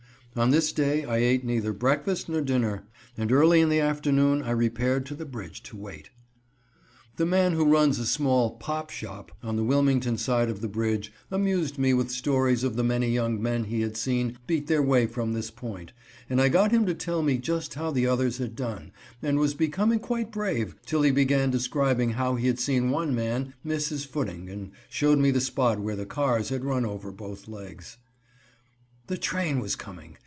On this day I ate neither breakfast nor dinner, and early in the afternoon I repaired to the bridge to wait. The man who runs a small "pop shop" on the Wilmington side of the bridge amused me with stories of the many young men he had seen beat their way from this point, and I got him to tell me just how the others had done, and was becoming quite brave, till he began describing how he had seen one man miss his footing, and showed me the spot where the cars had run over both legs. The train was coming!